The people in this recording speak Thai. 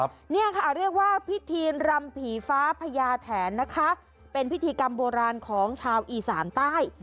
เนี่ยค่ะเรียกว่าพิธีรำผีฟ้าพญาแถนนะคะเป็นพิธีกรรมโบราณของชาวอีสานใต้